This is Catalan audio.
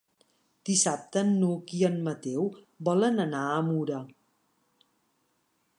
Dissabte n'Hug i en Mateu volen anar a Mura.